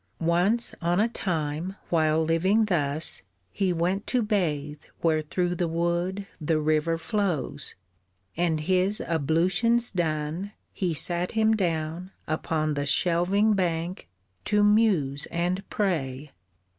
Once on a time, while living thus, he went To bathe where through the wood the river flows: And his ablutions done, he sat him down Upon the shelving bank to muse and pray.